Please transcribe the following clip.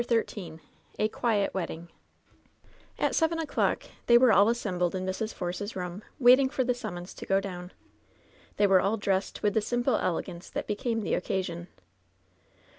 CHAPTER Xni "a otibt WBDDIWa'* At seven o'clock they were all assembled in Mrs. Force's room, waiting for the summons to go down. They were all dressed with the simple el^ance that became the occasion.